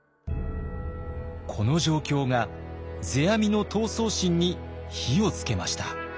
この状況が世阿弥の闘争心に火をつけました。